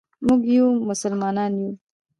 موږ یو مسلمان یو.